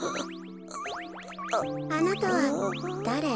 あなたはだれ？